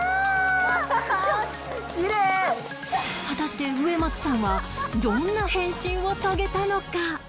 果たして植松さんはどんな変身を遂げたのか？